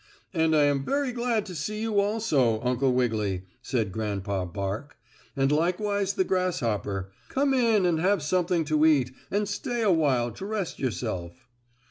"And I am very glad to see you also, Uncle Wiggily," said Grandpa Bark, "and likewise the grasshopper. Come in and have something to eat, and stay awhile to rest yourself."